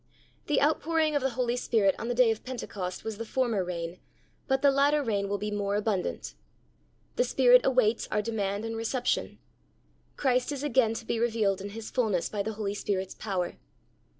The outpouring of the Holy Spirit on the day of Pentecost was the former rain, but the latter rain will be more abundant. The Spirit awaits our demand and reception. Christ is again to be revealed in His fulness by the Holy Spirit's power.